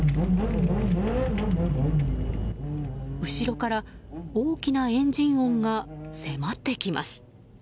後ろから大きなエンジン音が迫ってきます。